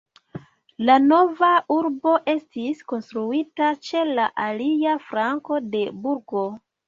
La nova urbo estis konstruita ĉe la alia flanko de burgo.